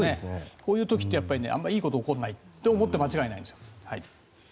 こういう時ってあまりいいことが起こらないと思って間違いないんです。